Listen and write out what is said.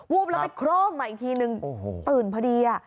แล้วไปโคร่มมาอีกทีนึงตื่นพอดี